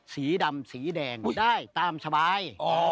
สีดำสีแดงได้ตามสบาย